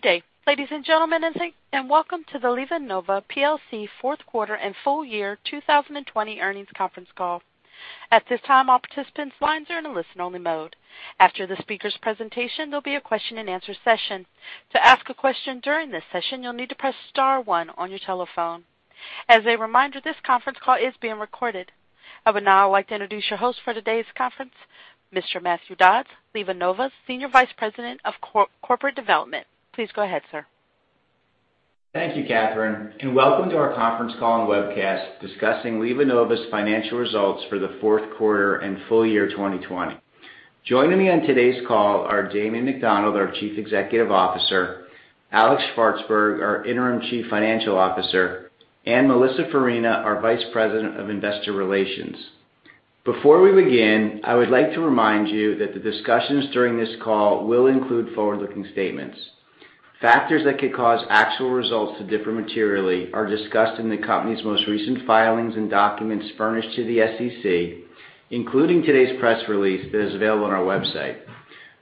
Good day, ladies and gentlemen, welcome to the LivaNova PLC fourth quarter and full year 2020 earnings conference call. At this time, all participants' lines are in a listen-only mode. After the speakers' presentation, there'll be a question-and-answer session. To ask a question during this session, you'll need to press star one on your telephone. As a reminder, this conference call is being recorded. I would now like to introduce your host for today's conference, Mr. Matthew Dodds, LivaNova's Senior Vice President of Corporate Development. Please go ahead, sir. Thank you, Catherine, and welcome to our conference call and webcast discussing LivaNova's financial results for the fourth quarter and full year 2020. Joining me on today's call are Damien McDonald, our Chief Executive Officer, Alex Shvartsburg, our Interim Chief Financial Officer, and Melissa Farina, our Vice President of Investor Relations. Before we begin, I would like to remind you that the discussions during this call will include forward-looking statements. Factors that could cause actual results to differ materially are discussed in the company's most recent filings and documents furnished to the SEC, including today's press release that is available on our website.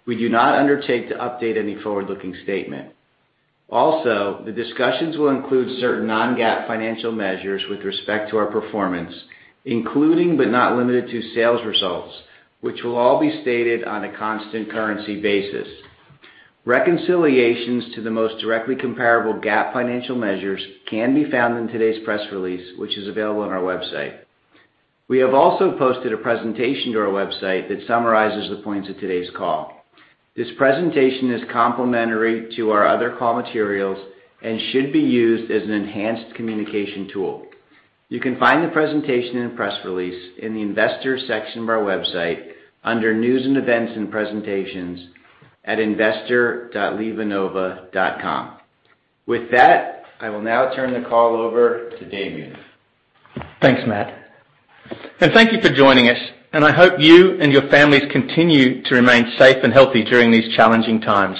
We do not undertake to update any forward-looking statement. Also, the discussions will include certain non-GAAP financial measures with respect to our performance, including but not limited to sales results, which will all be stated on a constant currency basis. Reconciliations to the most directly comparable GAAP financial measures can be found in today's press release, which is available on our website. We have also posted a presentation to our website that summarizes the points of today's call. This presentation is complementary to our other call materials and should be used as an enhanced communication tool. You can find the presentation and press release in the investor section of our website under news and events and presentations at investor.livanova.com. With that, I will now turn the call over to Damien. Thanks, Matt. Thank you for joining us, and I hope you and your families continue to remain safe and healthy during these challenging times.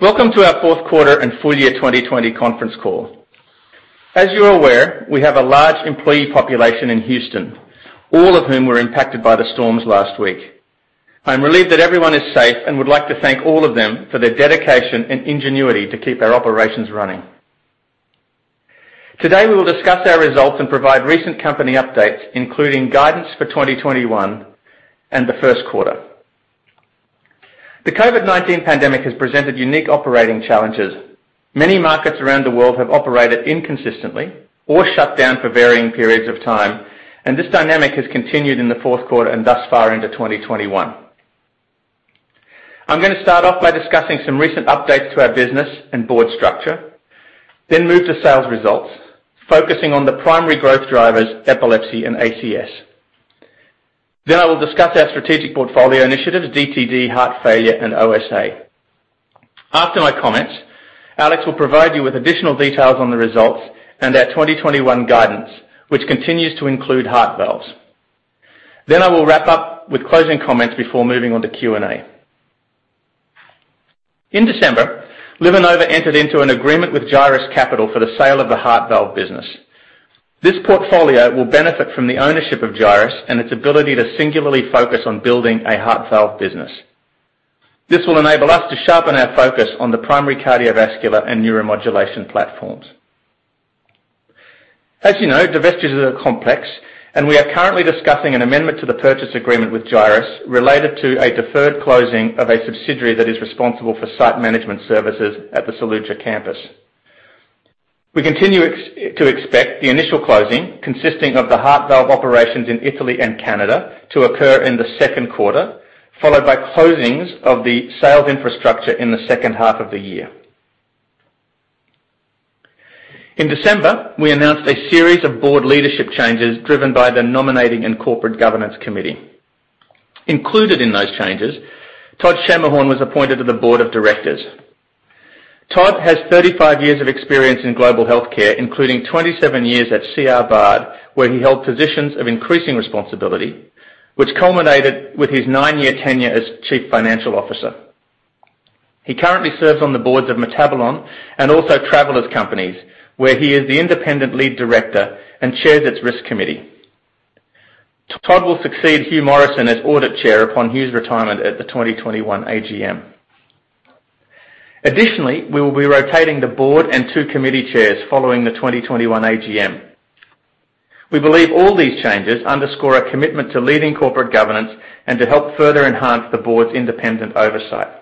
Welcome to our fourth quarter and full year 2020 conference call. As you're aware, we have a large employee population in Houston, all of whom were impacted by the storms last week. I'm relieved that everyone is safe and would like to thank all of them for their dedication and ingenuity to keep our operations running. Today, we will discuss our results and provide recent company updates, including guidance for 2021 and the first quarter. The COVID-19 pandemic has presented unique operating challenges. Many markets around the world have operated inconsistently or shut down for varying periods of time, and this dynamic has continued in the fourth quarter and thus far into 2021. I'm going to start off by discussing some recent updates to our business and board structure. Move to sales results, focusing on the primary growth drivers, epilepsy, and ACS. I will discuss our strategic portfolio initiatives, DTD, heart failure, and OSA. After my comments, Alex will provide you with additional details on the results and our 2021 guidance, which continues to include heart valves. I will wrap up with closing comments before moving on to Q&A. In December, LivaNova entered into an agreement with Gyrus Capital for the sale of the heart valve business. This portfolio will benefit from the ownership of Gyrus and its ability to singularly focus on building a heart valve business. This will enable us to sharpen our focus on the primary cardiovascular and Neuromodulation platforms. As you know, divestitures are complex, and we are currently discussing an amendment to the purchase agreement with Gyrus related to a deferred closing of a subsidiary that is responsible for site management services at the Saluggia campus. We continue to expect the initial closing, consisting of the heart valve operations in Italy and Canada, to occur in the second quarter, followed by closings of the sales infrastructure in the second half of the year. In December, we announced a series of board leadership changes driven by the Nominating and Corporate Governance Committee. Included in those changes, Todd Schermerhorn was appointed to the board of directors. Todd has 35 years of experience in global healthcare, including 27 years at C.R. Bard, where he held positions of increasing responsibility, which culminated with his nine-year tenure as Chief Financial Officer. He currently serves on the boards of Metabolon and also Travelers Companies, where he is the independent lead director and chairs its risk committee. Todd will succeed Hugh Morrison as Audit Chair upon his retirement at the 2021 AGM. Additionally, we will be rotating the board and two committee chairs following the 2021 AGM. We believe all these changes underscore a commitment to leading corporate governance and to help further enhance the board's independent oversight.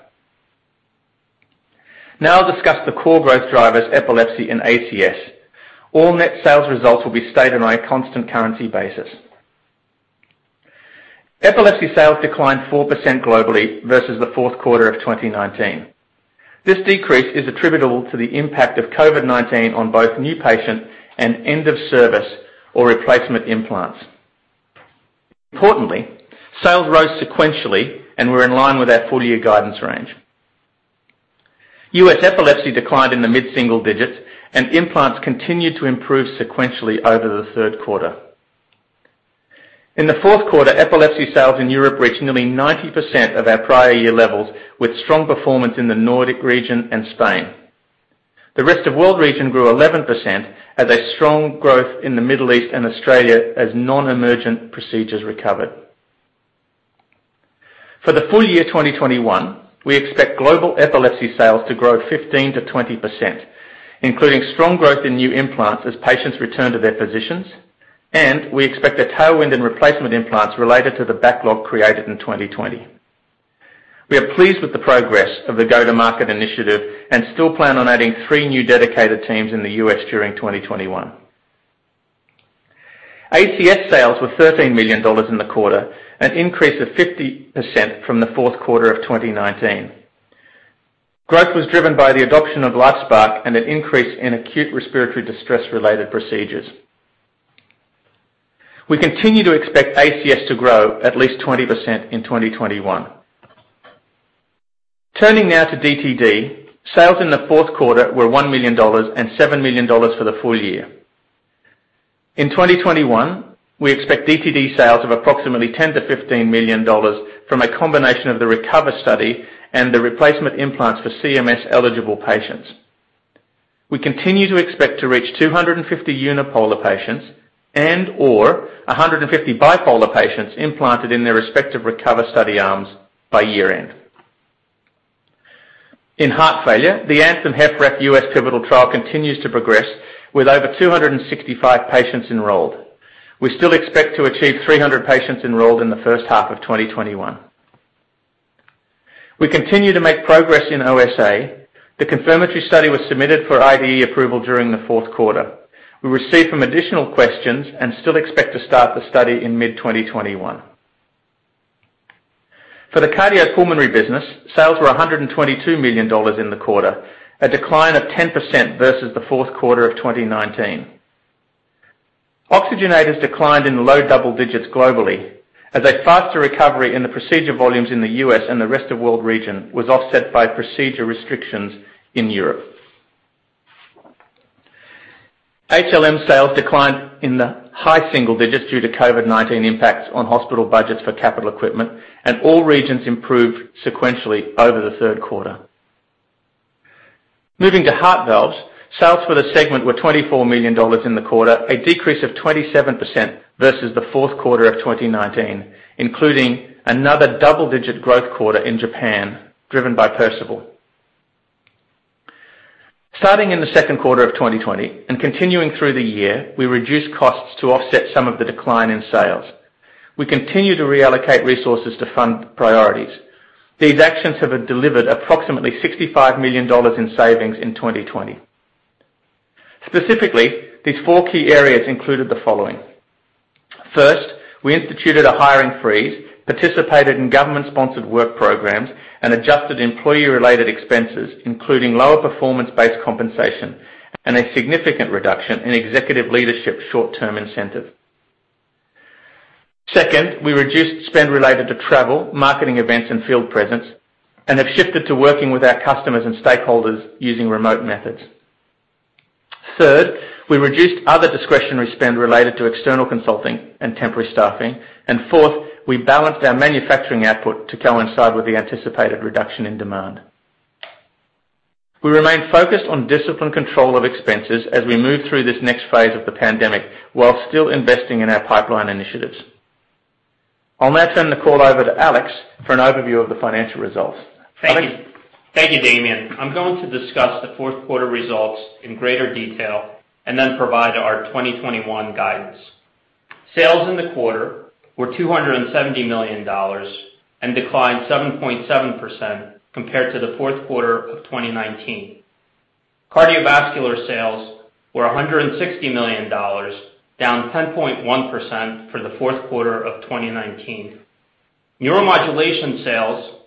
Now I'll discuss the core growth drivers, epilepsy and ACS. All net sales results will be stated on a constant currency basis. Epilepsy sales declined 4% globally versus the fourth quarter of 2019. This decrease is attributable to the impact of COVID-19 on both new patient and end-of-service or replacement implants. Importantly, sales rose sequentially and were in line with our full-year guidance range. U.S. epilepsy declined in the mid-single digits, and implants continued to improve sequentially over the third quarter. In the fourth quarter, epilepsy sales in Europe reached nearly 90% of our prior year levels, with strong performance in the Nordic region and Spain. The rest of world region grew 11% as a strong growth in the Middle East and Australia as non-emergent procedures recovered. For the full year 2021, we expect global epilepsy sales to grow 15%-20%, including strong growth in new implants as patients return to their physicians, and we expect a tailwind in replacement implants related to the backlog created in 2020. We are pleased with the progress of the go-to-market initiative and still plan on adding three new dedicated teams in the U.S. during 2021. ACS sales were $13 million in the quarter, an increase of 50% from the fourth quarter of 2019. Growth was driven by the adoption of LifeSPARC and an increase in acute respiratory distress-related procedures. We continue to expect ACS to grow at least 20% in 2021. Turning now to DTD. Sales in the fourth quarter were $1 million and $7 million for the full year. In 2021, we expect DTD sales of approximately $10 million-$15 million from a combination of the RECOVER study and the replacement implants for CMS-eligible patients. We continue to expect to reach 250 unipolar patients and/or 150 bipolar patients implanted in their respective RECOVER study arms by year-end. In heart failure, the ANTHEM-HFrEF U.S. pivotal trial continues to progress with over 265 patients enrolled. We still expect to achieve 300 patients enrolled in the first half of 2021. We continue to make progress in OSA. The confirmatory study was submitted for IDE approval during the fourth quarter. We received some additional questions and still expect to start the study in mid-2021. For the cardiopulmonary business, sales were $122 million in the quarter, a decline of 10% versus the fourth quarter of 2019. Oxygenators declined in low double digits globally as a faster recovery in the procedure volumes in the U.S. and the rest of world region was offset by procedure restrictions in Europe. HLM sales declined in the high single digits due to COVID-19 impacts on hospital budgets for capital equipment, and all regions improved sequentially over the third quarter. Moving to heart valves. Sales for the segment were $24 million in the quarter, a decrease of 27% versus the fourth quarter of 2019, including another double-digit growth quarter in Japan, driven by Perceval. Starting in the second quarter of 2020 and continuing through the year, we reduced costs to offset some of the decline in sales. We continue to reallocate resources to fund priorities. These actions have delivered approximately $65 million in savings in 2020. Specifically, these four key areas included the following. First, we instituted a hiring freeze, participated in government-sponsored work programs, and adjusted employee-related expenses, including lower performance-based compensation and a significant reduction in executive leadership short-term incentives. Second, we reduced spend related to travel, marketing events, and field presence, and have shifted to working with our customers and stakeholders using remote methods. Third, we reduced other discretionary spend related to external consulting and temporary staffing. Fourth, we balanced our manufacturing output to coincide with the anticipated reduction in demand. We remain focused on disciplined control of expenses as we move through this next phase of the pandemic, while still investing in our pipeline initiatives. I'll now turn the call over to Alex for an overview of the financial results. Alex? Thank you, Damien. I'm going to discuss the fourth quarter results in greater detail and provide our 2021 guidance. Sales in the quarter were $270 million and declined 7.7% compared to the fourth quarter of 2019. Cardiovascular sales were $160 million, down 10.1% for the fourth quarter of 2019. Neuromodulation sales were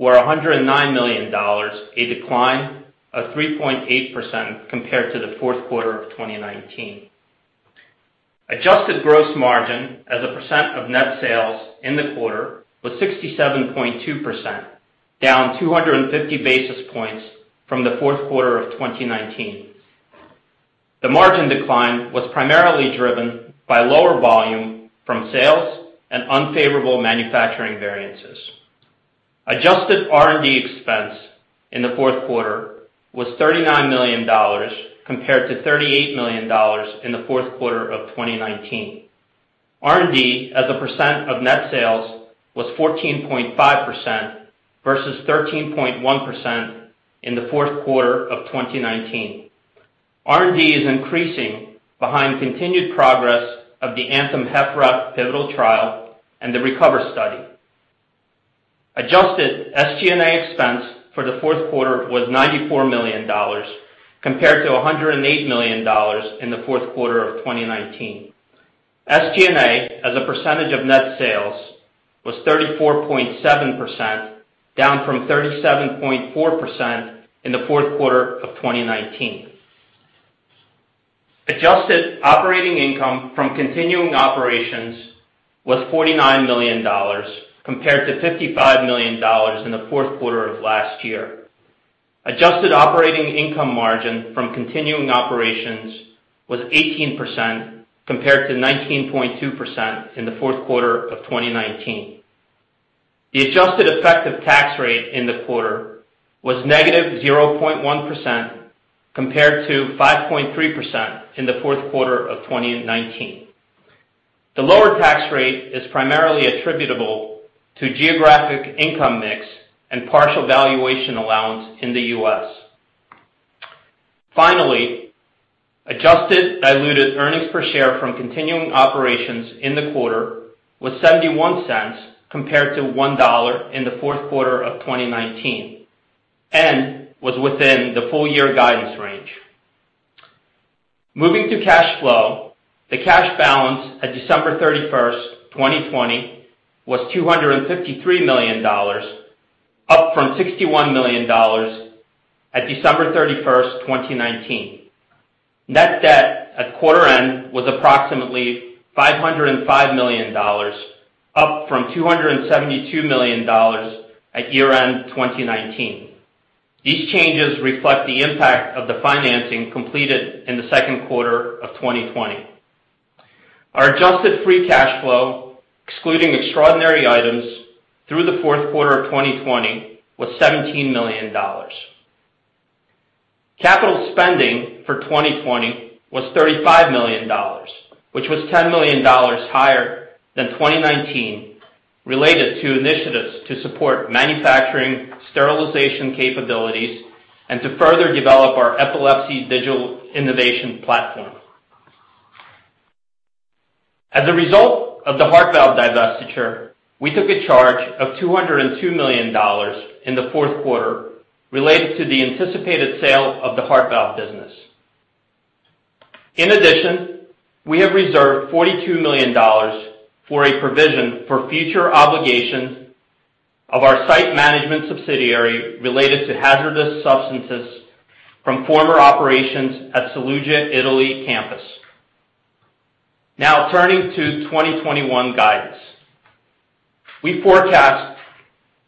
$109 million, a decline of 3.8% compared to the fourth quarter of 2019. Adjusted gross margin as a percent of net sales in the quarter was 67.2%, down 250 basis points from the fourth quarter of 2019. The margin decline was primarily driven by lower volume from sales and unfavorable manufacturing variances. Adjusted R&D expense in the fourth quarter was $39 million, compared to $38 million in the fourth quarter of 2019. R&D as a percent of net sales was 14.5% versus 13.1% in the fourth quarter of 2019. R&D is increasing behind continued progress of the ANTHEM-HFrEF pivotal trial and the RECOVER study. Adjusted SG&A expense for the fourth quarter was $94 million, compared to $108 million in the fourth quarter of 2019. SG&A as a percentage of net sales was 34.7%, down from 37.4% in the fourth quarter of 2019. Adjusted operating income from continuing operations was $49 million, compared to $55 million in the fourth quarter of last year. Adjusted operating income margin from continuing operations was 18%, compared to 19.2% in the fourth quarter of 2019. The adjusted effective tax rate in the quarter was -0.1%, compared to 5.3% in the fourth quarter of 2019. The lower tax rate is primarily attributable to geographic income mix and partial valuation allowance in the U.S. Finally, adjusted diluted earnings per share from continuing operations in the quarter was $0.71 compared to $1 in the fourth quarter of 2019 and was within the full-year guidance range. Moving to cash flow, the cash balance at December 31st, 2020 was $253 million, up from $61 million at December 31st, 2019. Net debt at quarter-end was approximately $505 million, up from $272 million at year-end 2019. These changes reflect the impact of the financing completed in the second quarter of 2020. Our adjusted free cash flow, excluding extraordinary items through the fourth quarter of 2020, was $17 million. Capital spending for 2020 was $35 million, which was $10 million higher than 2019, related to initiatives to support manufacturing sterilization capabilities and to further develop our epilepsy digital innovation platform. As a result of the heart valve divestiture, we took a charge of $202 million in the fourth quarter related to the anticipated sale of the heart valve business. In addition, we have reserved $42 million for a provision for future obligations of our site management subsidiary related to hazardous substances from former operations at Saluggia, Italy campus. Now turning to 2021 guidance. We forecast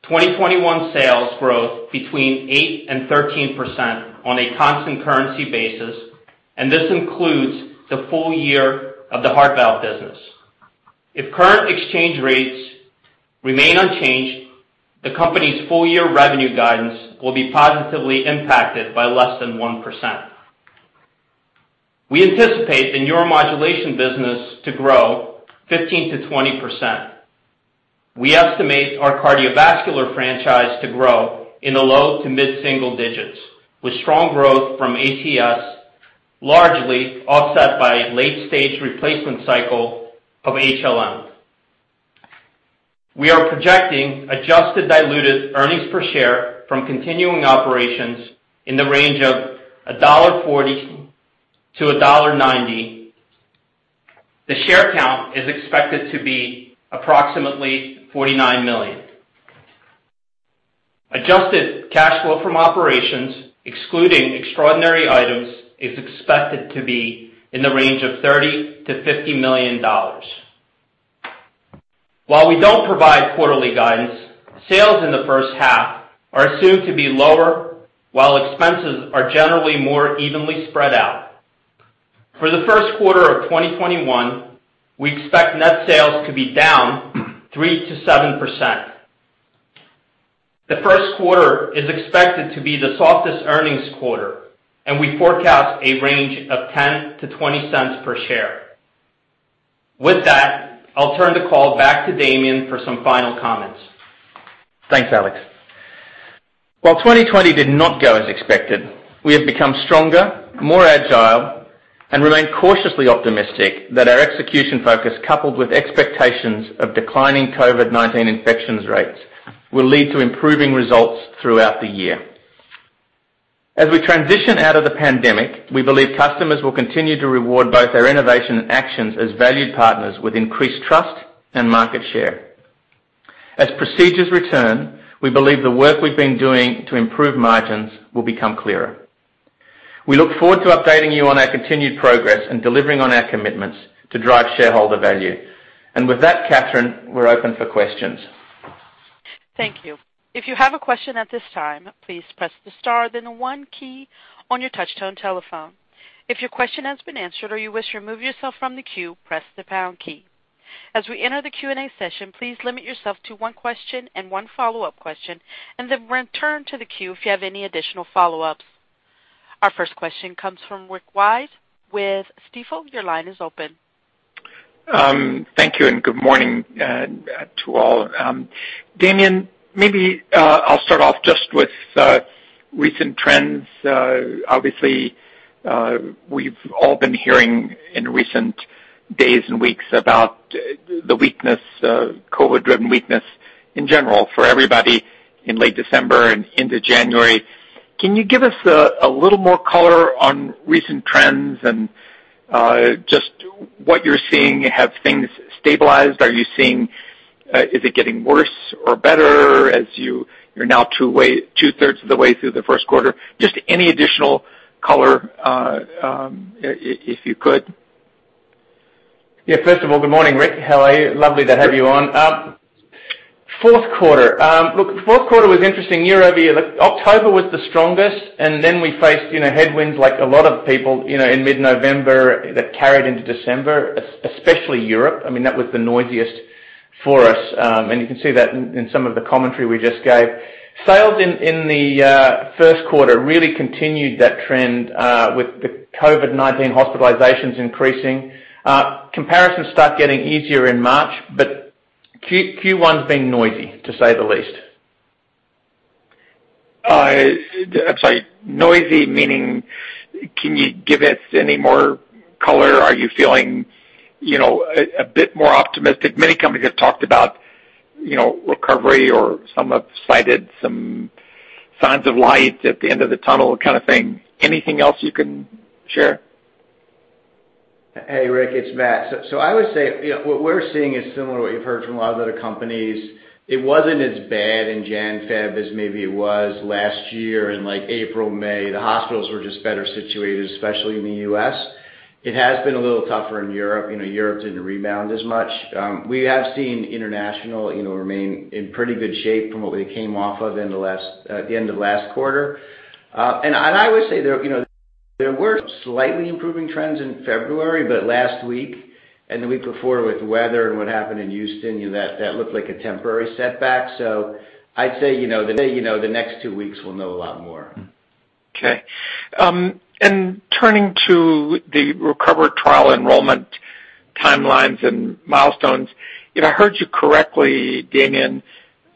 2021 sales growth between 8%-13% on a constant currency basis. This includes the full year of the heart valve business. If current exchange rates remain unchanged, the company's full-year revenue guidance will be positively impacted by less than 1%. We anticipate the Neuromodulation business to grow 15%-20%. We estimate our cardiovascular franchise to grow in the low to mid-single digits, with strong growth from ACS largely offset by late-stage replacement cycle of HLM. We are projecting adjusted diluted EPS from continuing operations in the range of $1.40-$1.90. The share count is expected to be approximately 49 million. Adjusted cash flow from operations, excluding extraordinary items, is expected to be in the range of $30 million-$50 million. While we don't provide quarterly guidance, sales in the first half are assumed to be lower, while expenses are generally more evenly spread out. For the first quarter of 2021, we expect net sales to be down 3%-7%. The first quarter is expected to be the softest earnings quarter, and we forecast a range of $0.10-$0.20 per share. With that, I'll turn the call back to Damien for some final comments. Thanks, Alex. While 2020 did not go as expected, we have become stronger, more agile, and remain cautiously optimistic that our execution focus, coupled with expectations of declining COVID-19 infections rates, will lead to improving results throughout the year. As we transition out of the pandemic, we believe customers will continue to reward both our innovation and actions as valued partners with increased trust and market share. As procedures return, we believe the work we've been doing to improve margins will become clearer. We look forward to updating you on our continued progress and delivering on our commitments to drive shareholder value. With that, Catherine, we're open for questions. Thank you. If you have a question at this time, please press the star then one key on your touch-tone telephone. If your question has been answered or you wish to remove yourself from the queue, press the pound key. As we enter the Q&A session, please limit yourself to one question and one follow-up question, then return to the queue if you have any additional follow-ups. Our first question comes from Rick Wise with Stifel. Your line is open. Thank you and good morning to all. Damien, maybe I'll start off just with recent trends. Obviously, we've all been hearing in recent days and weeks about the COVID-driven weakness in general for everybody in late December and into January. Can you give us a little more color on recent trends and just what you're seeing? Have things stabilized? Is it getting worse or better as you're now 2/3 Of the way through the first quarter? Just any additional color if you could. Yeah. First of all, good morning, Rick. How are you? Lovely to have you on. Fourth quarter. Look, fourth quarter was interesting year-over-year. October was the strongest. Then we faced headwinds like a lot of people in mid-November that carried into December, especially Europe. That was the noisiest for us. You can see that in some of the commentary we just gave. Sales in the first quarter really continued that trend with the COVID-19 hospitalizations increasing. Comparisons start getting easier in March, Q1's been noisy, to say the least. I'm sorry, noisy meaning, can you give it any more color? Are you feeling a bit more optimistic? Many companies have talked about recovery or some have cited some signs of light at the end of the tunnel kind of thing. Anything else you can share? Hey, Rick. It's Matt. I would say what we're seeing is similar to what you've heard from a lot of the other companies. It wasn't as bad in January, February as maybe it was last year in April, May. The hospitals were just better situated, especially in the U.S. It has been a little tougher in Europe. Europe didn't rebound as much. We have seen international remain in pretty good shape from what we came off of at the end of last quarter. I would say there were slightly improving trends in February, but last week and the week before with weather and what happened in Houston, that looked like a temporary setback. I'd say the next two weeks we'll know a lot more. Okay. Turning to the RECOVER trial enrollment timelines and milestones. If I heard you correctly, Damien,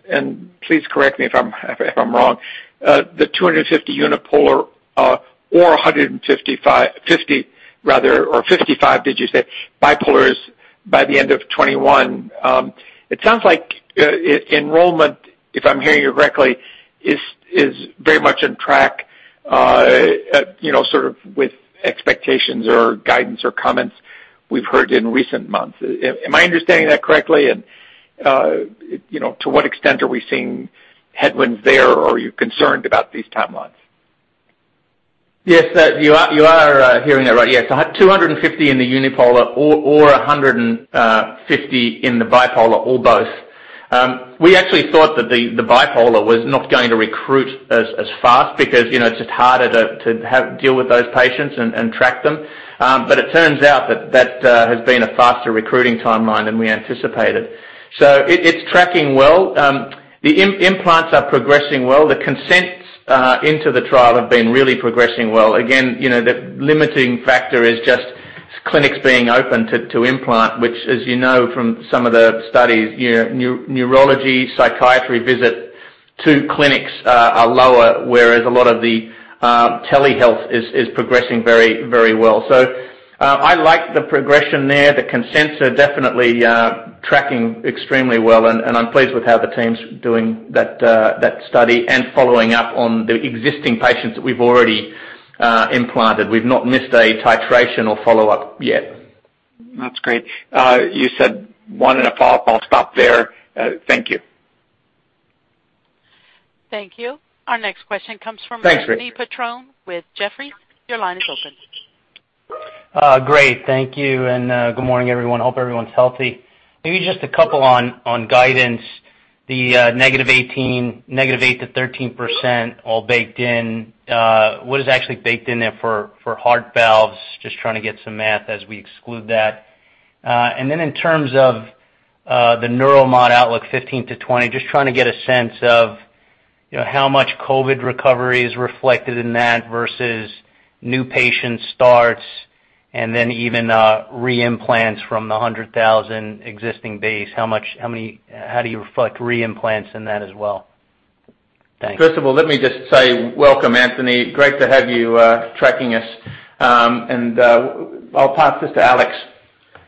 and please correct me if I'm wrong, the 250 unipolar or 155, 50 rather, or 55, did you say, bipolar is by the end of 2021. It sounds like enrollment, if I'm hearing you correctly, is very much on track sort of with expectations or guidance or comments we've heard in recent months. Am I understanding that correctly? To what extent are we seeing headwinds there, or are you concerned about these timelines? Yes, you are hearing that right. Yes, 250 in the unipolar or 150 in the bipolar, or both. We actually thought that the bipolar was not going to recruit as fast because it's just harder to deal with those patients and track them. It turns out that that has been a faster recruiting timeline than we anticipated. It's tracking well. The implants are progressing well. The consents into the trial have been really progressing well. Again, the limiting factor is just clinics being open to implant, which, as you know from some of the studies, neurology, psychiatry visit to clinics are lower, whereas a lot of the telehealth is progressing very well. I like the progression there. The consents are definitely tracking extremely well, and I'm pleased with how the team's doing that study and following up on the existing patients that we've already implanted. We've not missed a titration or follow-up yet. That's great. You said one and a follow-up. I'll stop there. Thank you. Thank you. Our next question comes from- Thanks. ...Anthony Petrone with Jefferies. Your line is open. Great. Thank you, and good morning, everyone. Hope everyone's healthy. Maybe just a couple on guidance. The -8% to 13% all baked in. What is actually baked in there for heart valves? Just trying to get some math as we exclude that. Then in terms of the Neuromod outlook 15%-20%, just trying to get a sense of how much COVID-19 recovery is reflected in that versus new patient starts and then even re-implants from the 100,000 existing base. How do you reflect re-implants in that as well? Thanks. First of all, let me just say welcome, Anthony. Great to have you tracking us. I'll pass this to Alex.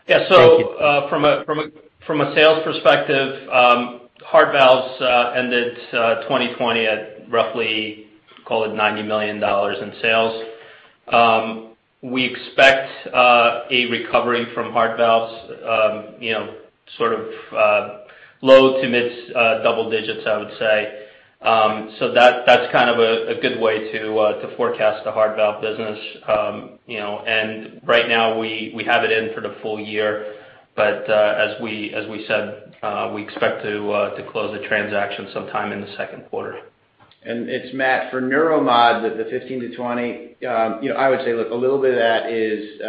Yeah. Thank you. From a sales perspective, heart valves ended 2020 at roughly, call it $90 million in sales. We expect a recovery from heart valves sort of low to mid double digits, I would say. That's kind of a good way to forecast the heart valve business. Right now we have it in for the full year. But as we said, we expect to close the transaction sometime in the second quarter. It's Matt. For Neuromod, the 15%-20%, I would say, look, a little bit of that is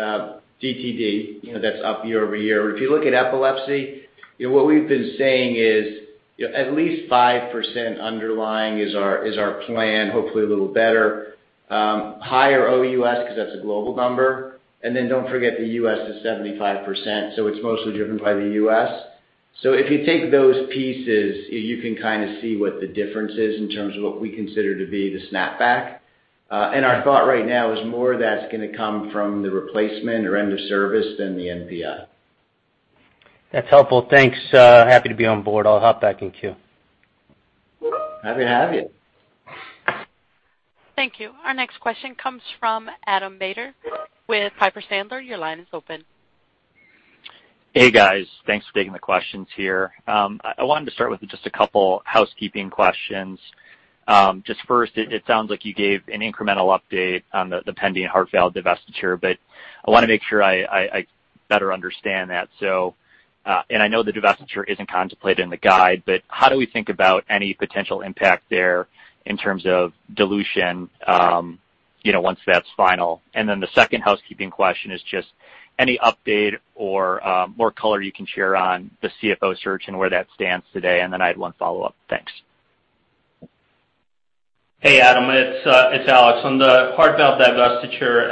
DTD that's up year-over-year. If you look at epilepsy, what we've been saying is at least 5% underlying is our plan, hopefully a little better. Higher OUS because that's a global number. Then don't forget, the U.S. is 75%, so it's mostly driven by the U.S. If you take those pieces, you can kind of see what the difference is in terms of what we consider to be the snapback. Our thought right now is more of that's going to come from the replacement or end of service than the NPI. That's helpful. Thanks. Happy to be on board. I'll hop back in queue. Happy to have you. Thank you. Our next question comes from Adam Maeder with Piper Sandler. Your line is open. Hey, guys. Thanks for taking the questions here. I wanted to start with just a couple housekeeping questions. Just first, it sounds like you gave an incremental update on the pending heart valve divestiture, but I want to make sure I better understand that. I know the divestiture isn't contemplated in the guide, but how do we think about any potential impact there in terms of dilution once that's final. Then the second housekeeping question is just any update or more color you can share on the CFO search and where that stands today. Then I had one follow-up. Thanks. Hey, Adam, it's Alex. On the heart valve divestiture,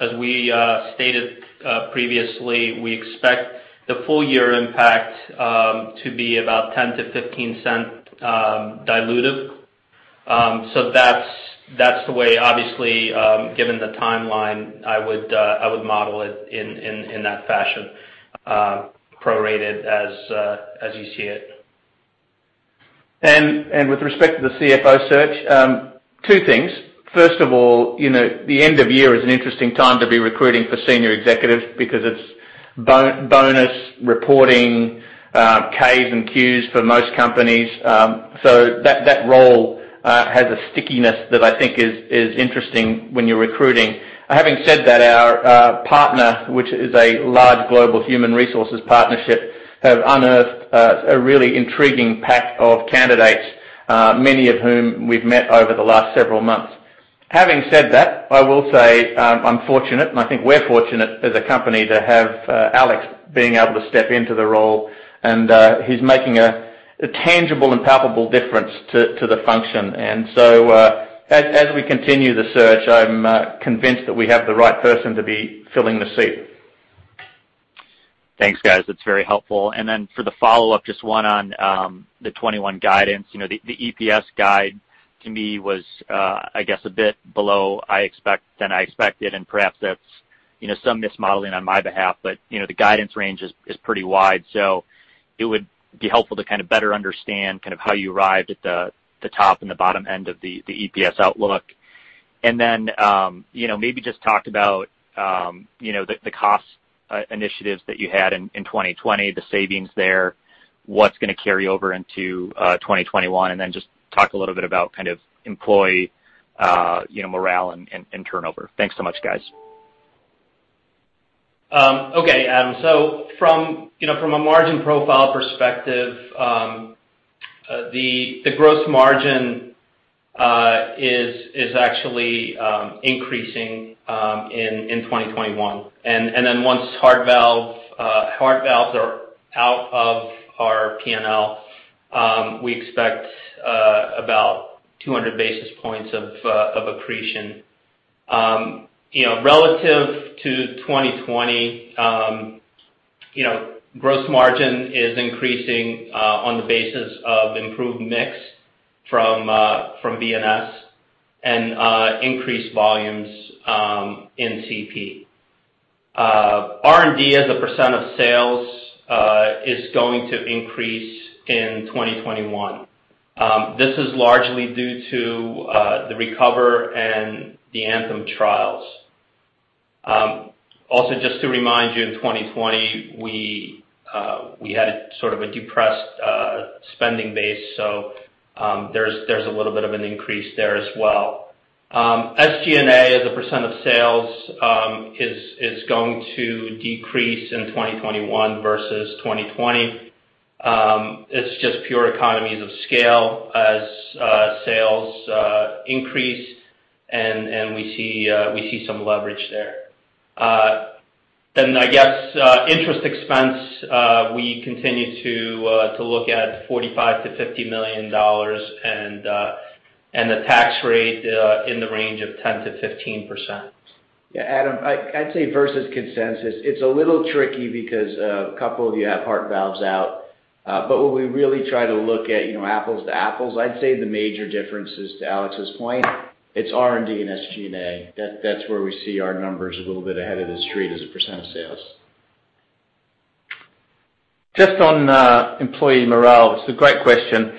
as we stated previously, we expect the full year impact to be about $0.10-$0.15 diluted. That's the way, obviously, given the timeline, I would model it in that fashion, prorated as you see it. With respect to the CFO search, two things. First of all, the end of year is an interesting time to be recruiting for senior executives because it's bonus reporting, K's and Q's for most companies. That role has a stickiness that I think is interesting when you're recruiting. Having said that, our partner, which is a large global human resources partnership, have unearthed a really intriguing pack of candidates, many of whom we've met over the last several months. Having said that, I will say I'm fortunate, and I think we're fortunate as a company to have Alex being able to step into the role, and he's making a tangible and palpable difference to the function. As we continue the search, I'm convinced that we have the right person to be filling the seat. Thanks, guys. That's very helpful. For the follow-up, just one on the 2021 guidance. The EPS guide to me was, I guess, a bit below than I expected, and perhaps that's some mismodeling on my behalf. The guidance range is pretty wide, so it would be helpful to kind of better understand how you arrived at the top and the bottom end of the EPS outlook. Maybe just talk about the cost initiatives that you had in 2020, the savings there, what's going to carry over into 2021, and then just talk a little bit about employee morale and turnover. Thanks so much, guys. Okay. From a margin profile perspective, the gross margin is actually increasing in 2021. Once heart valves are out of our P&L, we expect about 200 basis points of accretion. Relative to 2020, gross margin is increasing on the basis of improved mix from VNS and increased volumes in CP. R&D as a percent of sales is going to increase in 2021. This is largely due to the RECOVER and the ANTHEM trials. Also, just to remind you, in 2020, we had sort of a depressed spending base, there's a little bit of an increase there as well. SG&A as a percent of sales is going to decrease in 2021 versus 2020. It's just pure economies of scale as sales increase, we see some leverage there. I guess, interest expense, we continue to look at $45 million-$50 million, and the tax rate in the range of 10%-15%. Yeah, Adam, I'd say versus consensus, it's a little tricky because a couple of you have heart valves out. What we really try to look at, apples to apples, I'd say the major difference is to Alex's point, it's R&D and SG&A. That's where we see our numbers a little bit ahead of the street as a percent of sales. Just on employee morale, it's a great question.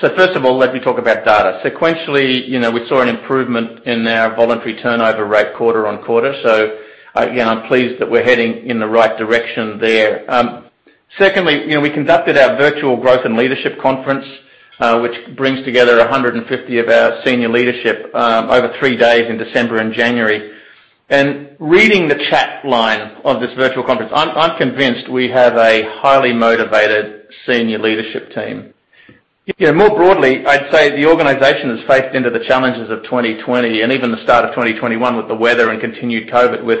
First of all, let me talk about data. Sequentially, we saw an improvement in our voluntary turnover rate quarter-on-quarter. Again, I'm pleased that we're heading in the right direction there. Secondly, we conducted our virtual growth and leadership conference, which brings together 150 of our senior leadership over three days in December and January. Reading the chat line of this virtual conference, I'm convinced we have a highly motivated senior leadership team. More broadly, I'd say the organization has faced into the challenges of 2020 and even the start of 2021 with the weather and continued COVID with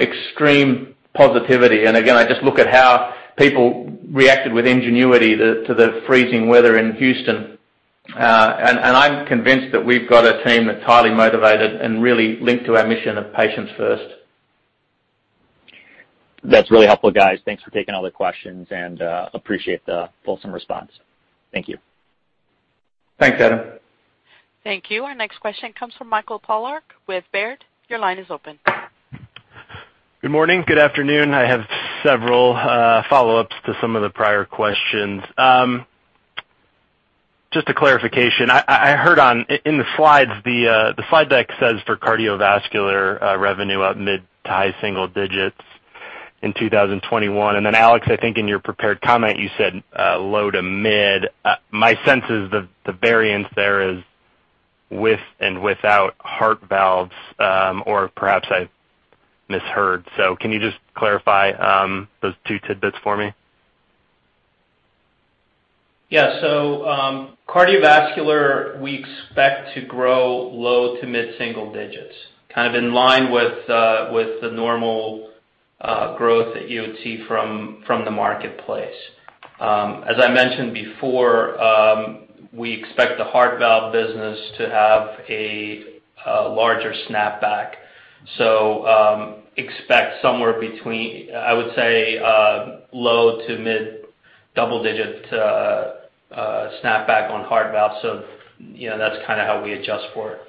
extreme positivity. Again, I just look at how people reacted with ingenuity to the freezing weather in Houston. I'm convinced that we've got a team that's highly motivated and really linked to our mission of patients first. That's really helpful, guys. Thanks for taking all the questions and appreciate the fulsome response. Thank you. Thanks, Adam. Thank you. Our next question comes from Michael Polark with Baird. Your line is open. Good morning. Good afternoon. I have several follow-ups to some of the prior questions. Just a clarification. I heard in the slides, the slide deck says for cardiovascular revenue up mid to high single digits in 2021. Then Alex, I think in your prepared comment, you said low to mid. My sense is the variance there is with and without heart valves, or perhaps I misheard. So can you just clarify those two tidbits for me? Yeah. Cardiovascular, we expect to grow low to mid single digits, in line with the normal growth that you would see from the marketplace. As I mentioned before, we expect the heart valve business to have a larger snapback. Expect somewhere between, I would say, low to mid double-digit snapback on heart valves. That's how we adjust for it.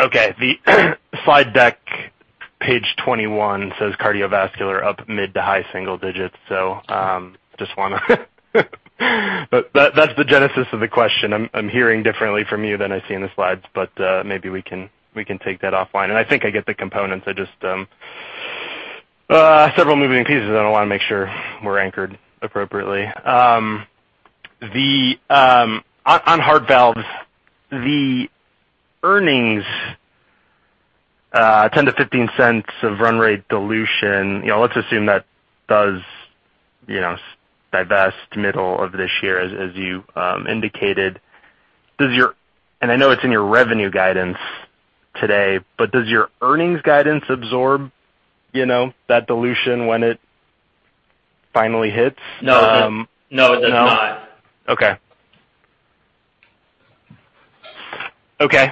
Okay. The slide deck, page 21 says cardiovascular up mid to high single digits. That's the genesis of the question. I'm hearing differently from you than I see in the slides, but maybe we can take that offline. I think I get the components. Just several moving pieces, and I want to make sure we're anchored appropriately. On heart valves, the earnings $0.10-$0.15 of run rate dilution, let's assume that does divest middle of this year, as you indicated. I know it's in your revenue guidance today, but does your earnings guidance absorb that dilution when it finally hits? No, it does not. Okay.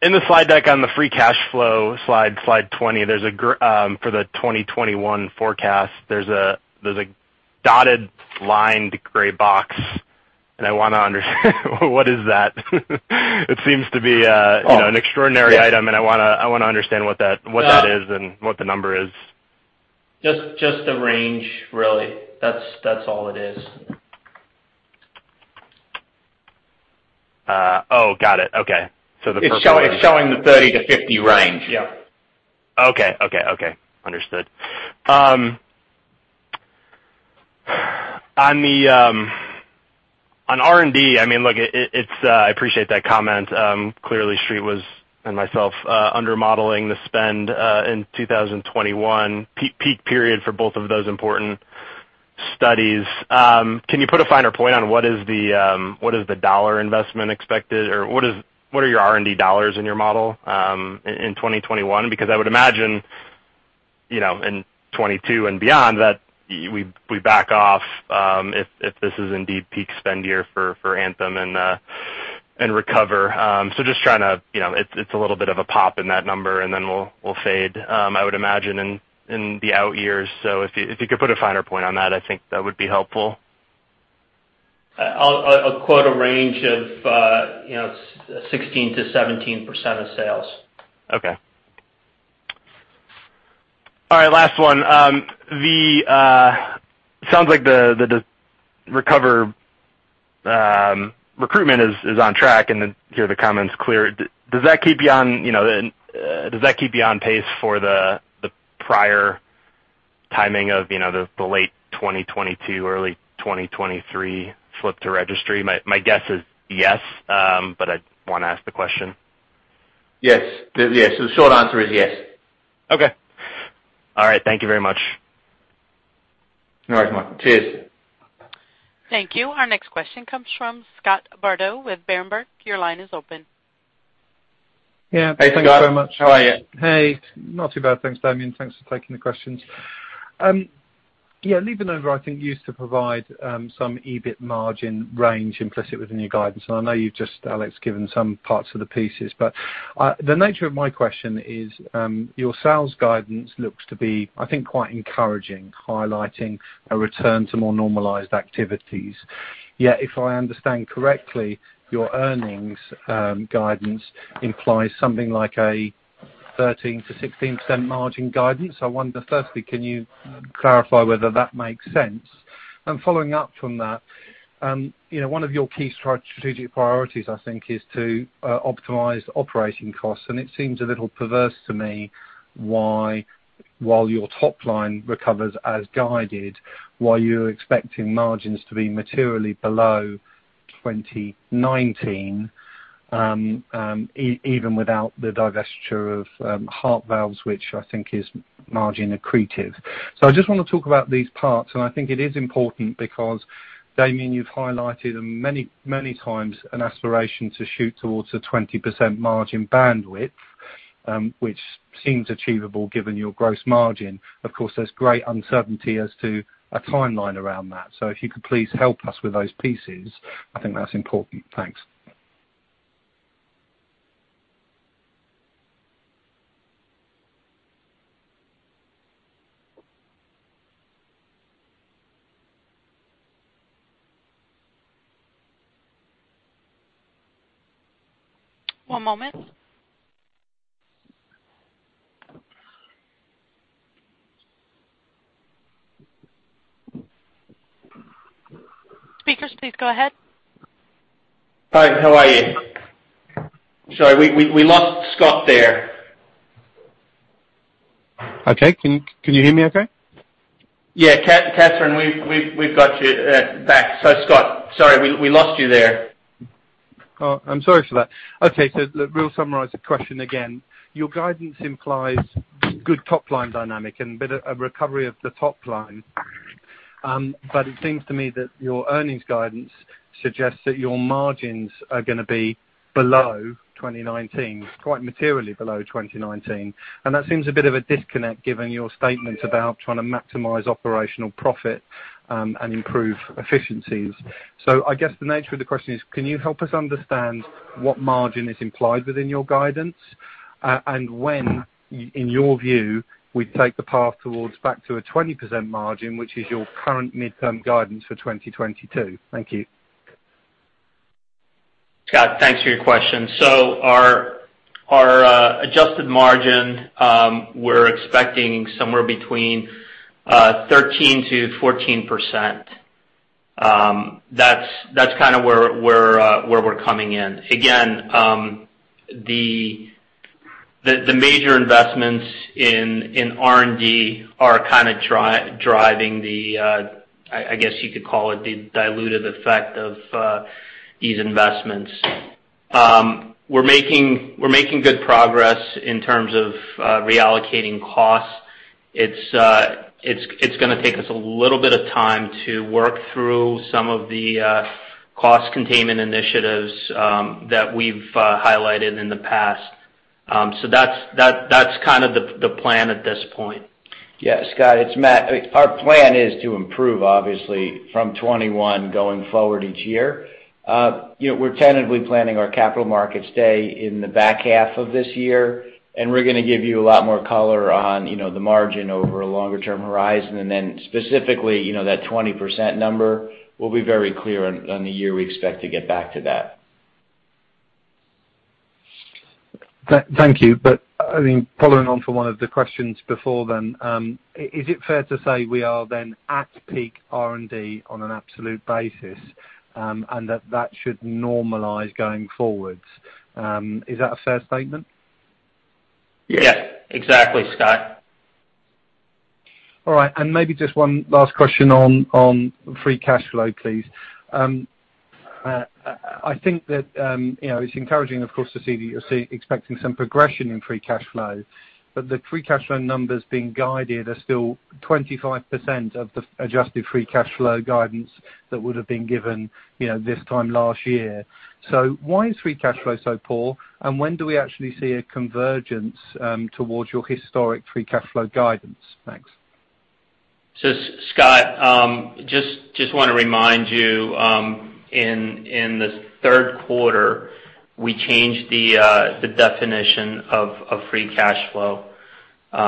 In the slide deck on the free cash flow slide 20, for the 2021 forecast, there's a dotted lined gray box, and I want to understand what is that? It seems to be an extraordinary item, and I want to understand what that is and what the number is. Just the range, really. That's all it is. Oh, got it. Okay. It's showing the 30-50 range. Yeah. Okay. Understood. On R&D, I appreciate that comment. Clearly, Street and myself, under-modeling the spend in 2021, peak period for both of those important studies. Can you put a finer point on what is the dollar investment expected, or what are your R&D dollars in your model in 2021? I would imagine, in 2022 and beyond, that we back off if this is indeed peak spend year for ANTHEM and RECOVER. It's a little bit of a pop in that number, we'll fade, I would imagine, in the out years. If you could put a finer point on that, I think that would be helpful. I'll quote a range of 16%-17% of sales. Okay. All right, last one. It sounds like the RECOVER recruitment is on track, and to hear the comments clear. Does that keep you on pace for the prior timing of the late 2022, early 2023 flip to registry? My guess is yes, but I want to ask the question. Yes. The short answer is yes. Okay. All right. Thank you very much. All right, Michael. Cheers. Thank you. Our next question comes from Scott Bardo with Berenberg. Your line is open. Yeah. Hey, Scott. How are you? Hey. Not too bad, thanks, Damien. Thanks for taking the questions. Yeah, LivaNova, I think, used to provide some EBIT margin range implicit within your guidance. I know you've just, Alex, given some parts of the pieces. The nature of my question is, your sales guidance looks to be, I think, quite encouraging, highlighting a return to more normalized activities. If I understand correctly, your earnings guidance implies something like a 13%-16% margin guidance. I wonder, firstly, can you clarify whether that makes sense? Following up from that, one of your key strategic priorities, I think, is to optimize operating costs. It seems a little perverse to me why, while your top line recovers as guided, why you're expecting margins to be materially below 2019, even without the divestiture of heart valves, which I think is margin accretive. I just want to talk about these parts, and I think it is important because, Damien, you've highlighted many times an aspiration to shoot towards a 20% margin bandwidth, which seems achievable given your gross margin. Of course, there's great uncertainty as to a timeline around that. If you could please help us with those pieces, I think that's important. Thanks. One moment. Speakers, please go ahead. Hi, how are you? Sorry, we lost Scott there. Okay. Can you hear me okay? Yeah. Catherine, we've got you back. Scott, sorry, we lost you there. I'm sorry for that. Okay, we'll summarize the question again. Your guidance implies good top-line dynamic and a bit of recovery of the top line. It seems to me that your earnings guidance suggests that your margins are going to be below 2019, quite materially below 2019. That seems a bit of a disconnect given your statement about trying to maximize operational profit, and improve efficiencies. I guess the nature of the question is, can you help us understand what margin is implied within your guidance? When, in your view, we take the path towards back to a 20% margin, which is your current midterm guidance for 2022? Thank you. Scott, thanks for your question. Our adjusted margin, we're expecting somewhere between 13%-14%. That's where we're coming in. Again, the major investments in R&D are kind of driving the, I guess you could call it the diluted effect of these investments. We're making good progress in terms of reallocating costs. It's going to take us a little bit of time to work through some of the cost containment initiatives that we've highlighted in the past. That's kind of the plan at this point. Yeah, Scott, it's Matt. Our plan is to improve obviously from 2021 going forward each year. We're tentatively planning our capital markets day in the back half of this year. We're going to give you a lot more color on the margin over a longer term horizon. Specifically, that 20% number will be very clear on the year we expect to get back to that. Thank you. Following on from one of the questions before then, is it fair to say we are then at peak R&D on an absolute basis, and that that should normalize going forwards? Is that a fair statement? Yes. Yes. Exactly, Scott. All right. Maybe just one last question on free cash flow, please. I think that it's encouraging, of course, to see that you're expecting some progression in free cash flow, but the free cash flow numbers being guided are still 25% of the adjusted free cash flow guidance that would have been given this time last year. Why is free cash flow so poor, and when do we actually see a convergence towards your historic free cash flow guidance? Thanks. Scott, just want to remind you, in the third quarter, we changed the definition of free cash flow. We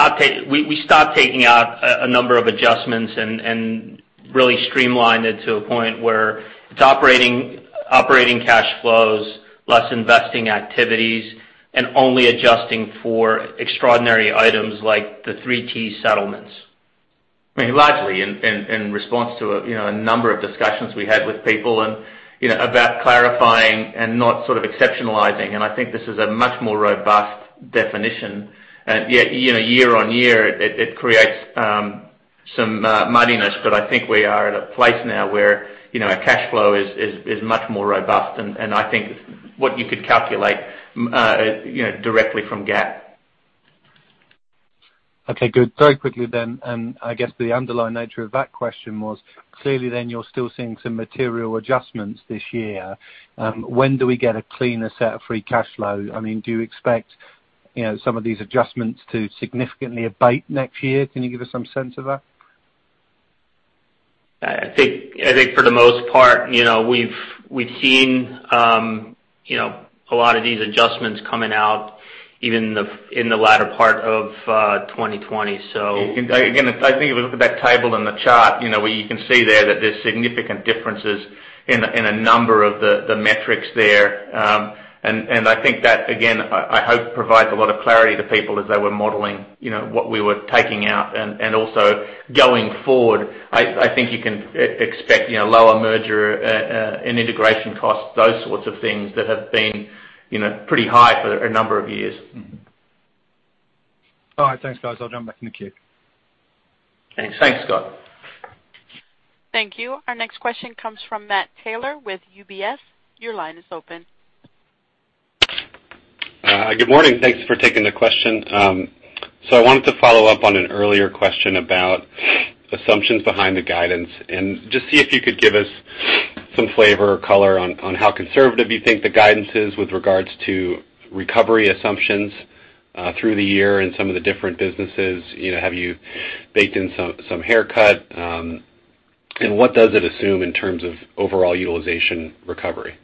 stopped taking out a number of adjustments and really streamlined it to a point where it's operating cash flows, less investing activities, and only adjusting for extraordinary items like the 3T settlements. I mean, largely in response to a number of discussions we had with people and about clarifying and not sort of exceptionalizing, and I think this is a much more robust definition. Year-on-year, it creates some muddiness, I think we are at a place now where our cash flow is much more robust. I think what you could calculate directly from GAAP. Okay, good. Very quickly, I guess the underlying nature of that question was, clearly you're still seeing some material adjustments this year. When do we get a cleaner set of free cash flow? I mean, do you expect some of these adjustments to significantly abate next year? Can you give us some sense of that? I think for the most part, we've seen a lot of these adjustments coming out even in the latter part of 2020. I think if you look at that table in the chart, where you can see there that there's significant differences in a number of the metrics there. I think that, again, I hope provides a lot of clarity to people as they were modeling what we were taking out. Also going forward, I think you can expect lower merger and integration costs, those sorts of things that have been pretty high for a number of years. All right. Thanks, guys. I'll jump back in the queue. Thanks, Scott. Thank you. Our next question comes from Matt Taylor with UBS. Your line is open. Good morning. Thanks for taking the question. I wanted to follow up on an earlier question about assumptions behind the guidance, and just see if you could give us some flavor or color on how conservative you think the guidance is with regards to recovery assumptions through the year and some of the different businesses. Have you baked in some haircut? What does it assume in terms of overall utilization recovery?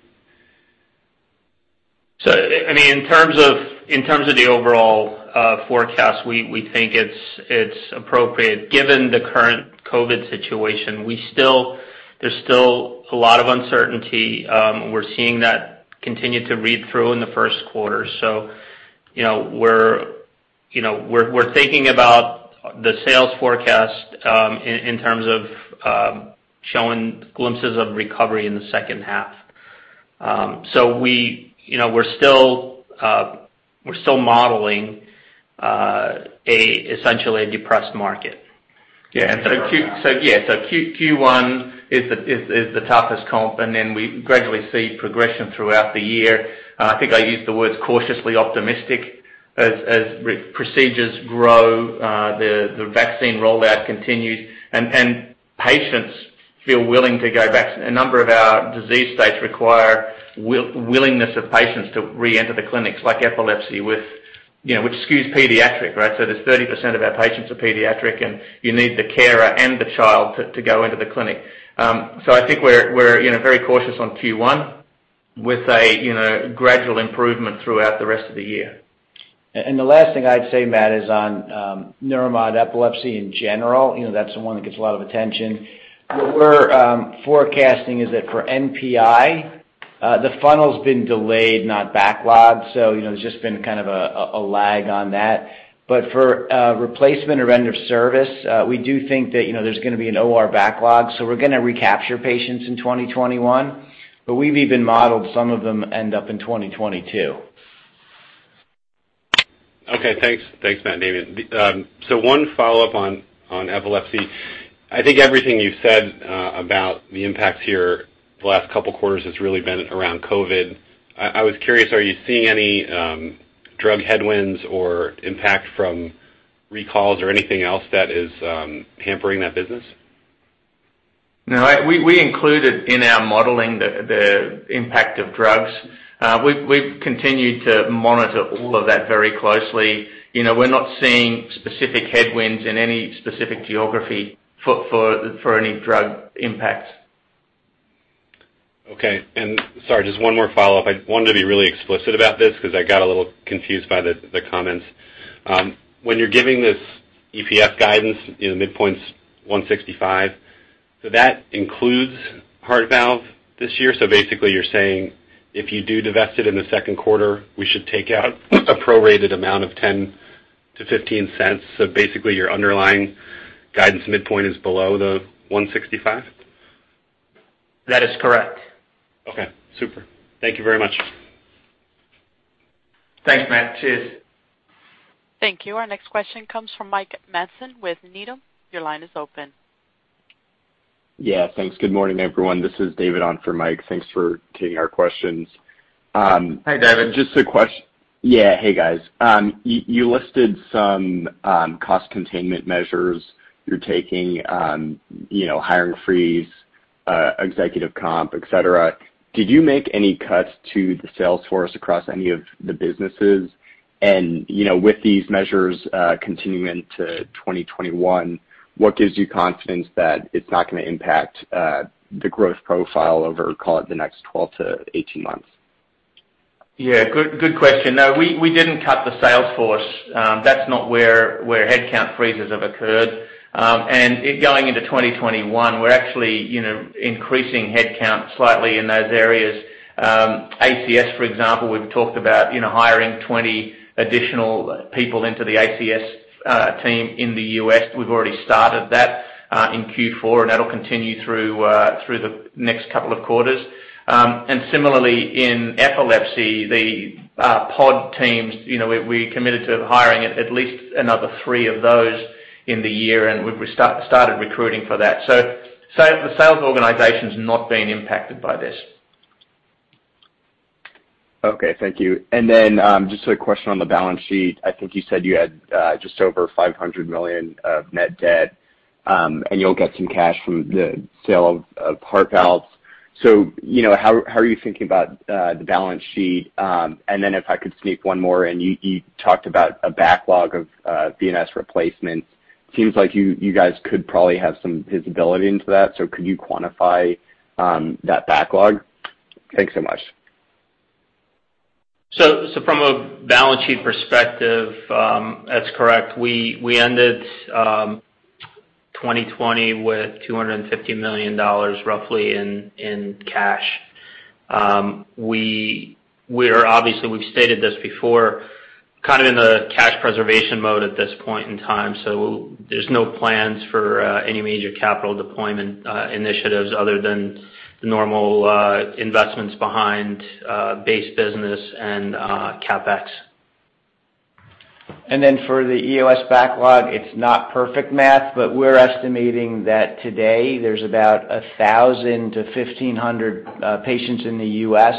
In terms of the overall forecast, we think it's appropriate given the current COVID situation. There's still a lot of uncertainty. We're seeing that continue to read through in the first quarter. We're thinking about the sales forecast, in terms of showing glimpses of recovery in the second half. We're still modeling essentially a depressed market. Yeah. Q1 is the toughest comp, then we gradually see progression throughout the year. I think I used the words cautiously optimistic. As procedures grow, the vaccine rollout continues, and patients feel willing to go back. A number of our disease states require willingness of patients to reenter the clinics, like epilepsy, which skews pediatric. There's 30% of our patients are pediatric, you need the carer and the child to go into the clinic. I think we're very cautious on Q1 with a gradual improvement throughout the rest of the year. The last thing I'd say, Matt, is on Neuromod epilepsy in general. That's the one that gets a lot of attention. What we're forecasting is that for NPI, the funnel's been delayed, not backlogged. There's just been kind of a lag on that. For replacement or end of service, we do think that there's going to be an OR backlog, so we're going to recapture patients in 2021. We've even modeled some of them end up in 2022. Okay. Thanks, Matt and Damien. One follow-up on epilepsy. I think everything you've said about the impacts here the last couple of quarters has really been around COVID. I was curious, are you seeing any drug headwinds or impact from recalls or anything else that is hampering that business? No, we included in our modeling the impact of drugs. We've continued to monitor all of that very closely. We're not seeing specific headwinds in any specific geography for any drug impacts. Okay. Sorry, just one more follow-up. I wanted to be really explicit about this because I got a little confused by the comments. When you're giving this EPS guidance, midpoint's 165. That includes heart valve this year? Basically you're saying if you do divest it in the second quarter, we should take out a prorated amount of $0.10-$0.15? Basically, your underlying guidance midpoint is below the 165? That is correct. Okay, super. Thank you very much. Thanks, Matt. Cheers. Thank you. Our next question comes from Mike Matson with Needham. Your line is open. Yeah, thanks. Good morning, everyone. This is David on for Mike. Thanks for taking our questions. Hi, David. Yeah. Hey, guys. You listed some cost containment measures you're taking, hiring freeze, executive comp, etc. Did you make any cuts to the sales force across any of the businesses? With these measures continuing into 2021, what gives you confidence that it's not going to impact the growth profile over, call it, the next 12-18 months? Yeah. Good question. No, we didn't cut the sales force. That's not where headcount freezes have occurred. Going into 2021, we're actually increasing headcount slightly in those areas. ACS, for example, we've talked about hiring 20 additional people into the ACS team in the U.S. We've already started that in Q4, and that'll continue through the next couple of quarters. Similarly, in epilepsy, the pod teams, we're committed to hiring at least another three of those in the year, and we started recruiting for that. So the sales organization's not been impacted by this. Okay, thank you. Then just a question on the balance sheet. I think you said you had just over $500 million of net debt, and you'll get some cash from the sale of heart valves. How are you thinking about the balance sheet? Then if I could sneak one more in, you talked about a backlog of VNS replacements. Seems like you guys could probably have some visibility into that, so could you quantify that backlog? Thanks so much. From a balance sheet perspective, that's correct. We ended 2020 with $250 million roughly in cash. Obviously, we've stated this before, kind of in a cash preservation mode at this point in time. There's no plans for any major capital deployment initiatives other than the normal investments behind base business and CapEx. For the EOS backlog, it's not perfect math, but we're estimating that today there's about 1,000-1,500 patients in the U.S.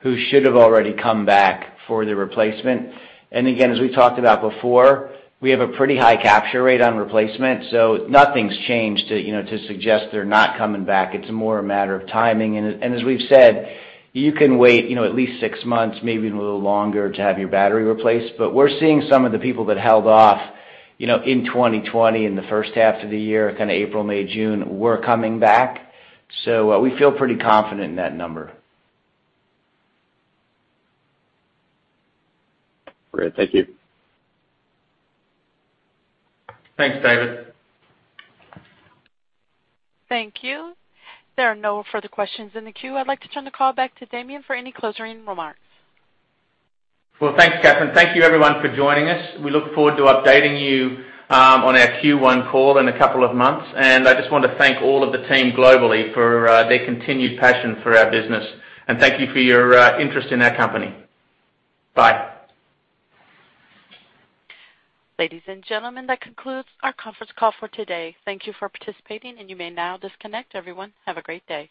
who should have already come back for the replacement. As we talked about before, we have a pretty high capture rate on replacement, nothing's changed to suggest they're not coming back. It's more a matter of timing. As we've said, you can wait at least six months, maybe a little longer, to have your battery replaced. We're seeing some of the people that held off in 2020, in the first half of the year, kind of April, May, June, were coming back. We feel pretty confident in that number. Great, thank you. Thanks, David. Thank you. There are no further questions in the queue. I'd like to turn the call back to Damien for any closing remarks. Thanks, Catherine. Thank you everyone for joining us. We look forward to updating you on our Q1 call in a couple of months. I just want to thank all of the team globally for their continued passion for our business. Thank you for your interest in our company. Bye. Ladies and gentlemen, that concludes our conference call for today. Thank you for participating, and you may now disconnect. Everyone, have a great day.